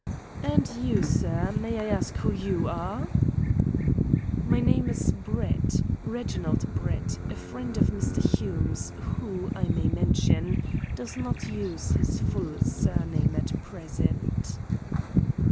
"And you, sir. May I ask who you are?" "My name is Brett, Reginald Brett, a friend of Mr. Hume's who, I may mention, does not use his full surname at present."